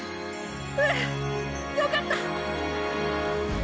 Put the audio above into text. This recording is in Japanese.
うん！！よかった！！